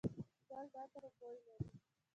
ګل د عطر بوی لري.